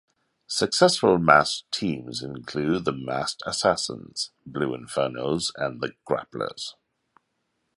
Successful masked teams include the Masked Assassins, Blue Infernos and the Grapplers.